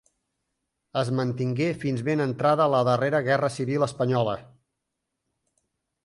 Es mantingué fins ben entrada la darrera Guerra Civil espanyola.